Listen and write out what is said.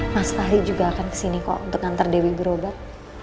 mas fahri juga akan kesini kok untuk ngantar dewi berobat